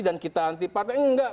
dan kita anti partai enggak